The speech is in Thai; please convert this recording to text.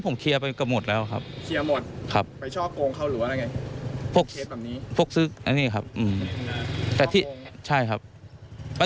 เชียร์กูหาความคิดดีของเขา